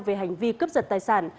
về hành vi cướp giật tài sản